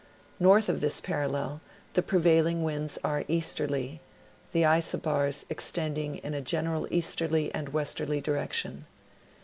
North of this parallel, the pre vailing winds are easterly, the isobars extending in a general easterly and westerly direction.